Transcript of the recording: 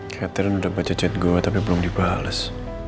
katerin udah baca chat gue tapi belum dibalas